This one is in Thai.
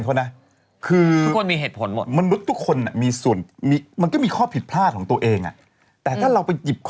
จะได้โดนจับ